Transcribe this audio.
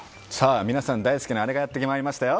皆さん大好きなあれがやってまいりましたよ。